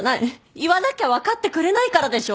言わなきゃ分かってくれないからでしょ！？